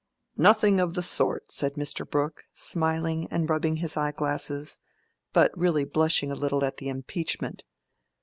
"Nothing of the sort," said Mr. Brooke, smiling and rubbing his eye glasses, but really blushing a little at the impeachment.